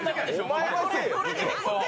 お前のせいよ。